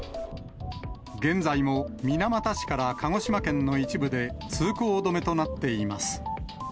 現在も水俣市から鹿児島県の一部で、通行止めとなっています。